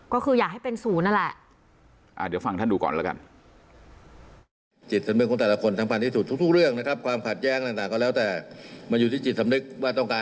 ก็คืออยากให้เป็นศูนย์นั่นแหละอ่าเดี๋ยวฟังท่านดูก่อนแล้วกัน